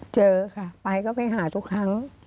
เจอค่ะไปก็ไปหาทุกครั้ง